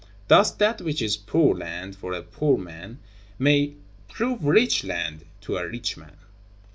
Thus that which is poor land for a poor man may prove rich land to a rich man."